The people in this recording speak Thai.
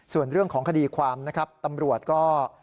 ส่วนเรื่องของคดีความนะครับตำรวจก็